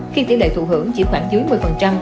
khi tỷ lệ thụ hưởng chỉ khoảng dưới một mươi